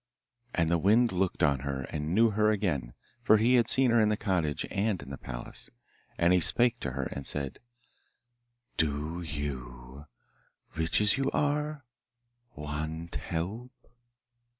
And the Wind looked on her and knew her again, for he had seen her in the cottage and in the palace, and he spake to her and said: 'Do you, rich as you are, want help?